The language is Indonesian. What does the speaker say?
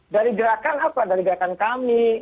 dari gerakan apa dari gerakan kami